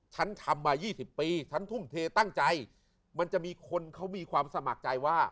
ฉันทำมา๒๐ปีฉันทุ่มเทตั้งใจมันจะมีคนเขามีความสมัครใจว่า